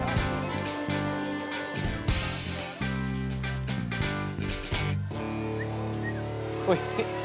jalanin ya be